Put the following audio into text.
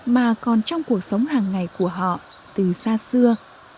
mà còn trong cuộc sống hàng ngày của họ từ xa xưa